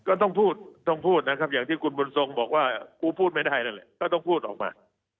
ก็ต้องพูดต้องพูดนะครับอย่างที่คุณบุญทรงบอกว่ากูพูดไม่ได้นั่นแหละก็ต้องพูดออกมา